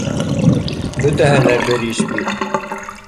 Бөтәһе лә бер иш бит!